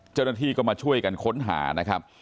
เจ้าหน้าที่ก็มาช่วยกันค้นหานะครับ